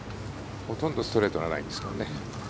ほとんどストレートなラインですからね。